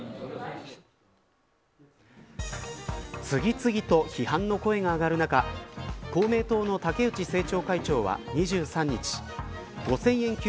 次々と批判の声が上がる中公明党の竹内政調会長は２３日５０００円